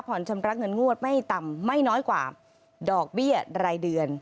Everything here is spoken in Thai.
ชำระเงินงวดไม่ต่ำไม่น้อยกว่าดอกเบี้ยรายเดือน